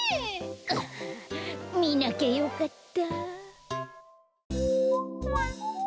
あみなきゃよかった。